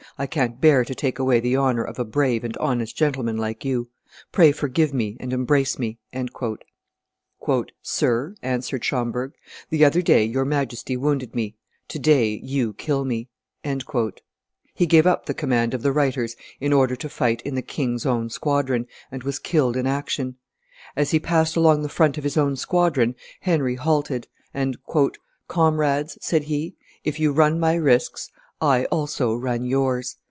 I can't bear to take away the honor of a brave and honest gentleman like you. Pray forgive me and embrace me." "Sir," answered Schomberg, "the other day your Majesty wounded me, to day you kill me." He gave up the command of the reiters in order to fight in the king's own squadron, and was killed in action. As he passed along the front of his own squadron, Henry halted; and, "Comrades," said he, "if you run my risks, I also run yours.